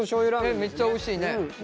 えっめっちゃおいしいね。